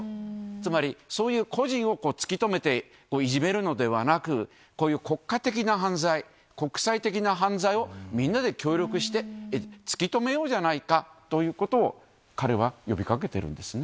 つまり、そういう個人を突き止めていじめるのではなく、こういう国家的な犯罪、国際的な犯罪をみんなで協力して、突き止めようじゃないかということを、彼は呼びかけてるんですね。